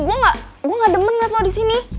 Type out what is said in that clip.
gue gak gue gak demen liat lo disini